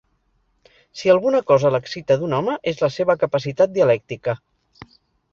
Si alguna cosa l'excita d'un home és la seva capacitat dialèctica.